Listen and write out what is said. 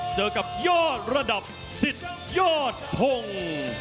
เจอกับยอดระดับสิทธิ์ยอดทง